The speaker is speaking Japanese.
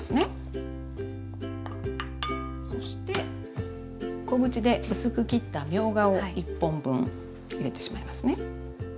そして小口で薄く切ったみょうがを１本分入れてしまいますね。